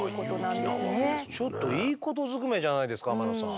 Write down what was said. ちょっといいことずくめじゃないですか天野さん。